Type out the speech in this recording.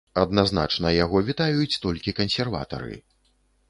Адназначна яго вітаюць толькі кансерватары.